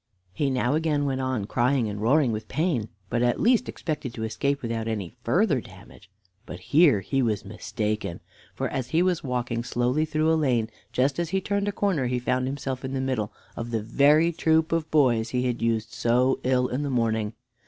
He now again went on crying and roaring with pain, but at least expected to escape without any further damage. But here he was mistaken, for as he was walking slowly through a lane, just as he turned a corner he found himself in the middle of the very troop of boys that he had used so ill in the morning.